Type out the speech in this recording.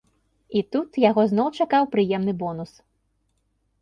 І тут яго зноў чакаў прыемны бонус.